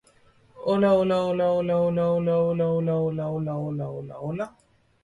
Then the vertex of this angle is "X" and traces out the pedal curve.